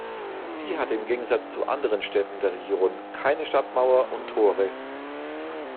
Sie hatte im Gegensatz zu anderen Städten der Region keine Stadtmauer und Tore.